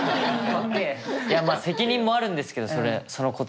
いやまあ責任もあるんですけどそれその言葉に。